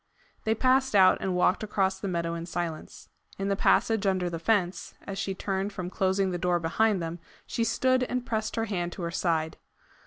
They passed out and walked across the meadow in silence. In the passage under the fence, as she turned from closing the door behind them, she stood and pressed her hand to her side.